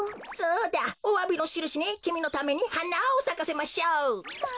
そうだおわびのしるしにきみのためにはなをさかせましょう。